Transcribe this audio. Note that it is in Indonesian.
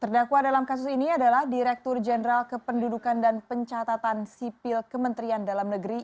terdakwa dalam kasus ini adalah direktur jenderal kependudukan dan pencatatan sipil kementerian dalam negeri